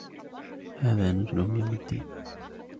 هذا نزلهم يوم الدين